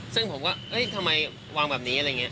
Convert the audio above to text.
ซึ่งผมก็ทำไมวางแบบนี้